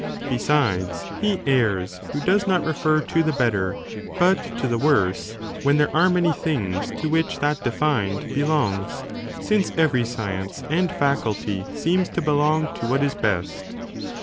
| Besides, (he errs,) who does not refer to the better, but to the worse, when there are many things, to which that defined, belongs, since every science and faculty seems to belong to what is best.